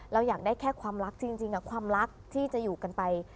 เราอยากได้แค่ความรักจริงความรักที่จะอยู่กันไป